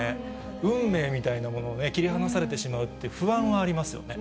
運命みたいなものをね、切り離されてしまうって不安はありますよ